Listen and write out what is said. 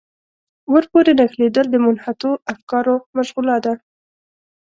ورپورې نښلېدل د منحطو افکارو مشغولا ده.